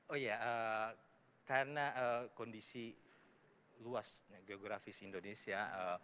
oh iya karena kondisi luas geografis indonesia